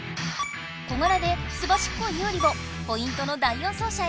小柄ですばしっこいユウリをポイントの第４走者へ。